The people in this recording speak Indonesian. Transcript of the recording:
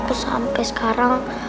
aku sampe sekarang